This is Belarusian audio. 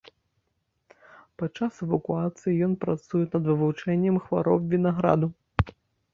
Падчас эвакуацыі ён працуе над вывучэннем хвароб вінаграду.